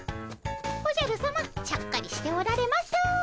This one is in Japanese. おじゃるさまちゃっかりしておられます。